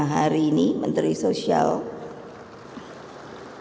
ibu tri risma menteri kesehatan